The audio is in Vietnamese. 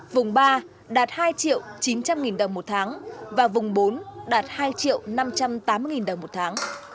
vùng ba đạt hai triệu chín trăm linh nghìn đồng một tháng và vùng bốn đạt hai năm trăm tám mươi đồng một tháng